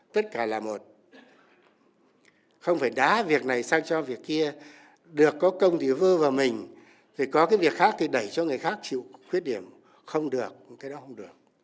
tất cả là một không phải đá việc này sang cho việc kia được có công thì vơ vào mình thì có cái việc khác thì đẩy cho người khác chịu khuyết điểm không được cái đó không được